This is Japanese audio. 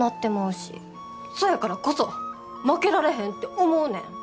そやからこそ負けられへんって思うねん。